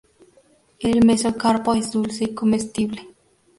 El mesocarpo es dulce y comestible.